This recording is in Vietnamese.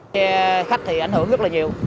xe khách thì ảnh hưởng rất là nhiều